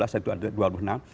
satu ada dua puluh enam